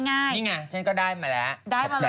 นี่ไงฉันก็ได้มาแล้วขอบใจมากนะ